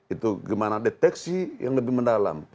itu gimana deteksi yang lebih mendalam